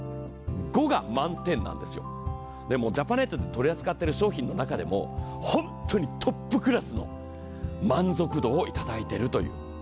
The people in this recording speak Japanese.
５が満点なんですよ、でもジャパネットで取り扱っている商品の中でも本当にトップクラスの満足度をいただいているという。